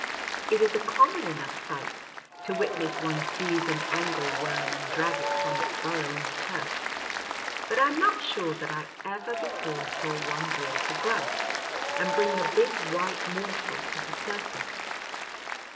It is a common enough sight to witness one seize an angle worm and drag it from its burrow in the turf, but I am not sure that I ever before saw one drill for grubs and bring the big white morsel to the surface.